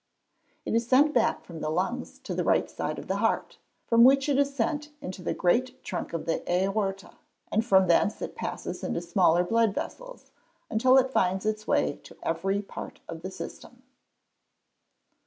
_ It is sent back from the lungs to the right side of the heart, from which it is sent into the great trunk of the aorta, and from thence it passes into smaller blood vessels, until it finds its way to every part of the system.